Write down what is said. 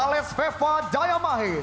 berjumpa di dalam candle